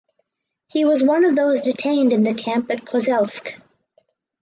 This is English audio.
He was one of those detained in the camp at Kozelsk.